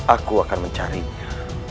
aku akan mencarinya